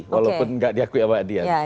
walaupun nggak diakui sama adian